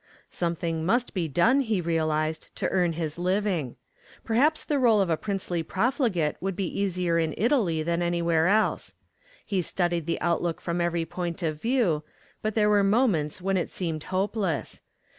Something must be done, he realized, to earn his living. Perhaps the role of the princely profligate would be easier in Italy than anywhere else. He studied the outlook from every point of view, but there were moments when it seemed hopeless.